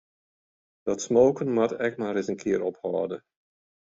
Dat smoken moat ek mar ris in kear ophâlde.